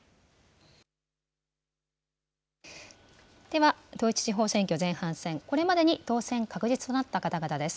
では、統一地方選挙前半戦、これまでに当選確実となった方々です。